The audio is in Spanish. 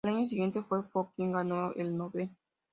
Al año siguiente, fue Fo quien ganó el Nobel.